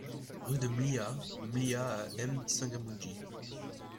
RUE DE MLIHA - MLIHA à M'Tsangamouji